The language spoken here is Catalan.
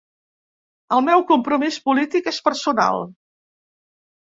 El meu compromís polític és personal.